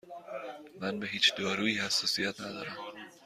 من به هیچ دارویی حساسیت ندارم.